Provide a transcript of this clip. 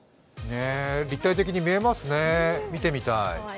立体的に見えますね、見てみたい。